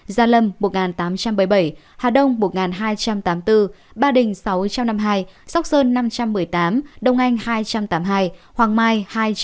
gia lâm một nghìn tám trăm bảy mươi bảy hà đông một hai trăm tám mươi bốn ba đình sáu trăm năm mươi hai sóc sơn năm trăm một mươi tám đông anh hai trăm tám mươi hai hoàng mai hai trăm tám mươi